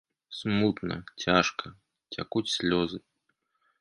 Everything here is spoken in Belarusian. Смутна, цяжка, цякуць слёзы.